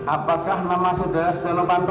apakah nama saudara steno panto